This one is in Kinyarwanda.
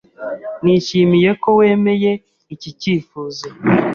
Nishimiye ko wemeye iki cyifuzo.